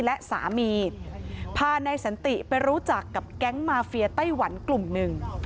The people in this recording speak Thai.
และสามีพานายสันติไปรู้จักกับแก๊งมาเฟียไต้หวันกลุ่มหนึ่ง